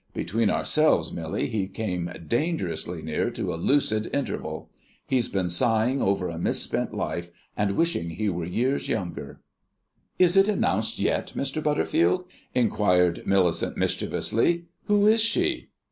Between ourselves, Millie, he came dangerously near to a lucid interval. He's been sighing over a misspent life, and wishing he were years younger." "Is it announced yet, Mr. Butterfield?" inquired Millicent mischievously. "Who is she?"